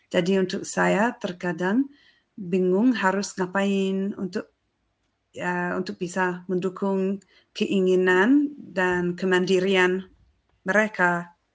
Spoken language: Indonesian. jadi untuk saya terkadang bingung harus ngapain untuk ya untuk bisa mendukung keinginan dan kemandirian mereka